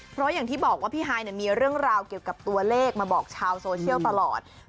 เพราะอย่างที่บอกว่าพี่ฮายมีเรื่องราวเกี่ยวกับตัวเลขมาบอกชาวโซเชียลตลอด